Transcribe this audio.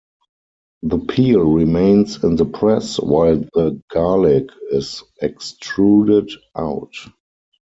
The peel remains in the press while the garlic is extruded out.